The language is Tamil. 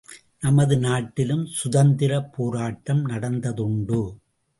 நமது நாட்டிலும் சுதந்தரப் போராட்டம் நடந்ததுண்டு.